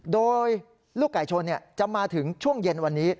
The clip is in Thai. โดยลูกไก่ชนจะมาถึงช่วงเย็นวันนี้